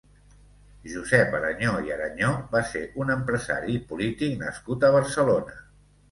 Josep Arañó i Arañó va ser un empresari i polític nascut a Barcelona.